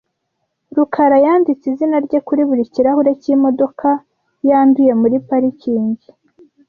rukara yanditse izina rye kuri buri kirahure cyimodoka yanduye muri parikingi .